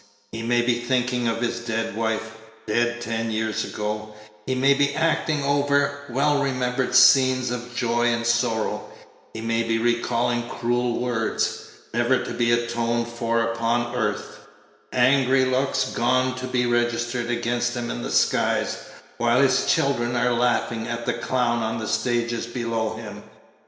He may be thinking of his dead wife, dead ten years ago; he may be acting over well remembered scenes of joy and sorrow; he may be recalling cruel words, never to be atoned for upon earth angry looks, gone to be registered against him in the skies, while his children are laughing at the clown on the stage below him.